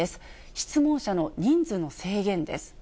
質問者の人数の制限です。